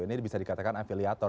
ini bisa dikatakan afiliator